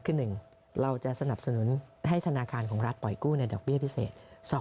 คือ๑เราจะสนับสนุนให้ธนาคารของรัฐปล่อยกู้ในดอกเบี้ยพิเศษ